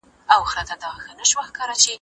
سرلوړي اوسئ.